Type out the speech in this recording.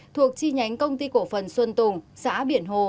thuộc chi nhánh công ty cổ phần xuân tùng xã biển hồ